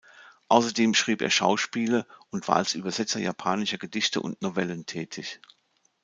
Außerdem schrieb er Schauspiele und war als Übersetzer japanischer Gedichte und Novellen tätig.